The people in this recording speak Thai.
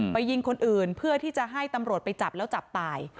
ยิงคนอื่นเพื่อที่จะให้ตำรวจไปจับแล้วจับตาย